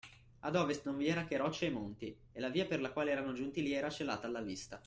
Ad ovest non vi era che rocce e monti, e la via per la quale erano giunti lì era celata alla vista.